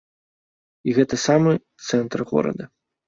І гэта самы цэнтр горада.